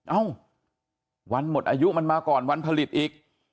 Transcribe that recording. เอ้าวันหมดอายุมันมาก่อนวันผลิตอีก